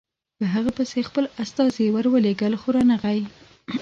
په هغه پسې یې خپل استازي ورولېږل خو رانغی.